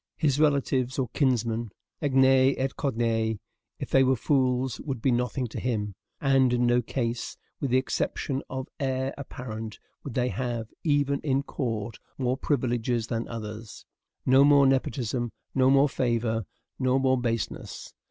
His relatives or kinsmen, agnats et cognats, if they were fools, would be nothing to him; and in no case, with the exception of the heir apparent, would they have, even in court, more privileges than others. No more nepotism, no more favor, no more baseness.